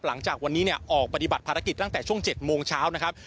หลังจากวันนี้ออกปฏิบัติภารกิจตั้งแต่ช่วง๗โมงเช้านะครับ